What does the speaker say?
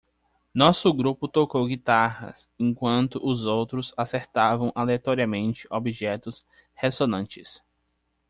Nosso grupo tocou guitarras enquanto os outros acertavam aleatoriamente objetos ressonantes.